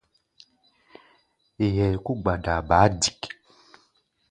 Yɛɛ kó gbadaa baá dik.